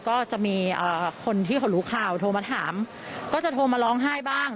ก็จะมีคนที่เขารู้ข่าวโทรมาถามก็จะโทรมาร้องไห้บ้าง